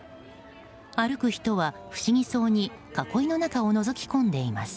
歩く人は不思議そうに囲いの中をのぞき込んでいます。